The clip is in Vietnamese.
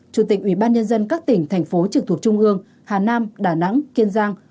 chủ tịch ủy ban nhân dân các tỉnh thành phố trực thuộc trung ương hà nam đà nẵng kiên giang